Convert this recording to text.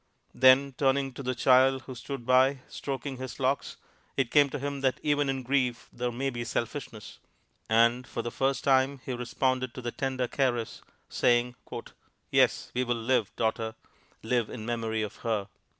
Then, turning to the child, who stood by, stroking his locks, it came to him that even in grief there may be selfishness, and for the first time he responded to the tender caress, saying, "Yes, we will live, daughter live in memory of her!"